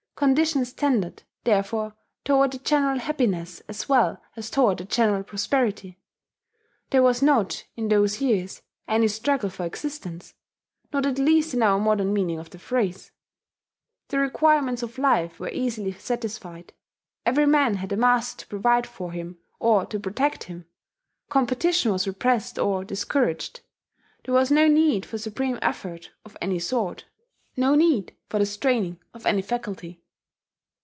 Conditions tended, therefore, toward the general happiness as well as toward the general prosperity. There was not, in those years, any struggle for existence, not at least in our modern meaning of the phrase. The requirements of life were easily satisfied; every man had a master to provide for him or to protect him; competition was repressed or discouraged; there was no need for supreme effort of any sort, no need for the straining of any faculty.